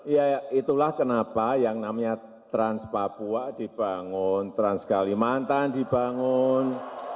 ya itulah kenapa yang namanya trans papua dibangun trans kalimantan dibangun